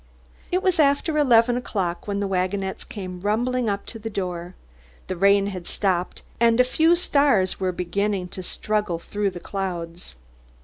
It was after eleven o'clock when the wagonettes came rumbling up to the door. The rain had stopped, and a few stars were beginning to struggle through the clouds.